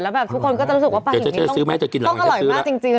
แล้วทุกคนก็จะรู้สึกว่าปลาหิมิต้องอร่อยมากจริง